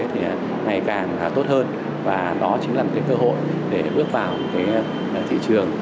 thì ngày càng tốt hơn và đó chính là cơ hội để bước vào một thị trường